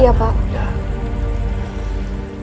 ya harus gue dong